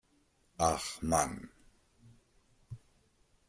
Ach Mann.